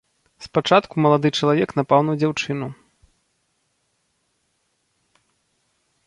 Спачатку малады чалавек напаў на дзяўчыну.